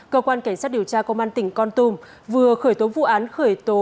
cơ quan cảnh sát điều tra công an tỉnh con tum vừa khởi tố vụ án khởi tố